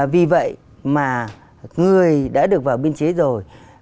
vì vậy mà người đã được vào biên chế rồi